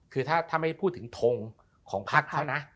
คือถ้าไม่พูดถึงทงของพักเขานะ